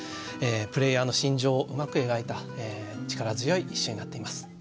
プレーヤーの心情をうまく描いた力強い一首になっています。